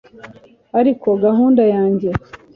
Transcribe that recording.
ariko gahunda yanjye